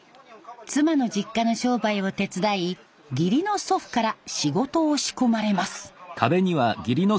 妻の実家の商売を手伝い義理の祖父から仕事を仕込まれます。